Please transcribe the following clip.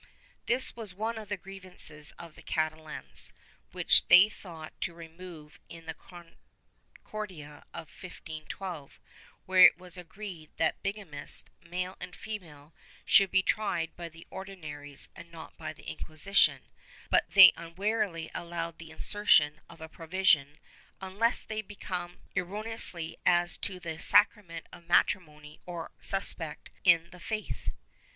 ^ This was one of the grievances of the Catalans, which they thought to remove in the Concordia of 1512, where it was agreed that bigamists, male and female, should be tried by the Ordinaries and not by the Inquisition, but they unwarily allowed the inser tion of a provision "unless they believe erroneously as to the sacrament of matrimony or are suspect in the faith.